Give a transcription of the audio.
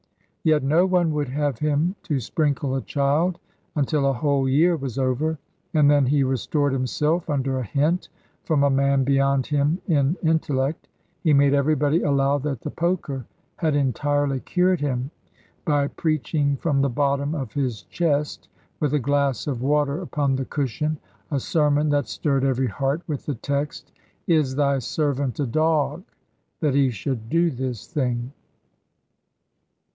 Yet no one would have him to sprinkle a child, until a whole year was over. And then he restored himself, under a hint from a man beyond him in intellect; he made everybody allow that the poker had entirely cured him, by preaching from the bottom of his chest, with a glass of water upon the cushion, a sermon that stirred every heart, with the text, "Is thy servant a dog, that he should do this thing?"